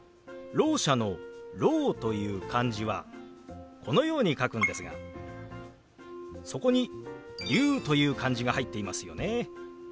ろう者の「聾」という漢字はこのように書くんですがそこに「龍」という漢字が入っていますよね。